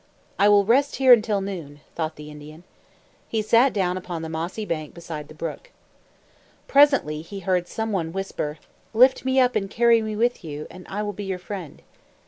"I will rest here until noon," thought the Indian. He sat down upon the mossy bank beside the brook. Presently he heard some one whisper, "Lift me up and carry me with you, and I will be your friend."